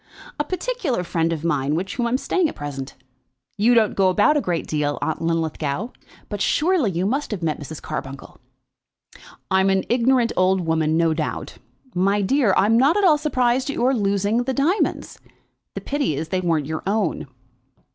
"A particular friend of mine with whom I am staying at present. You don't go about a great deal, Aunt Linlithgow, but surely you must have met Mrs. Carbuncle." "I'm an ignorant old woman, no doubt. My dear, I'm not at all surprised at your losing your diamonds. The pity is that they weren't your own."